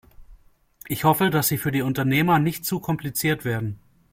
Ich hoffe, dass sie für die Unternehmer nicht zu kompliziert werden.